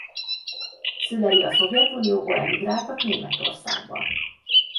Szülei a Szovjetunióból emigráltak Németországba.